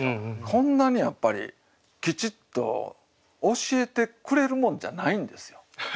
こんなにやっぱりきちっと教えてくれるもんじゃないんですよ大体ね。